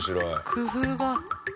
工夫が。